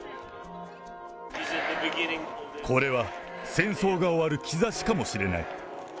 これは戦争が終わる兆しかもしれない。